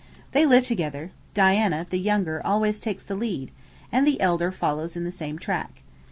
They live together; Diana, the younger, always takes the lead, and the elder follows in the same track.